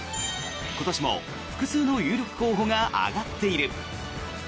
今年も複数の有力候補が挙がっている。